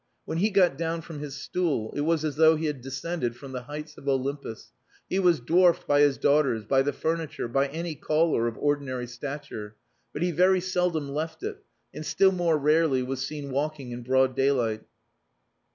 When he got down from his stool it was as though he had descended from the heights of Olympus. He was dwarfed by his daughters, by the furniture, by any caller of ordinary stature. But he very seldom left it, and still more rarely was seen walking in broad daylight.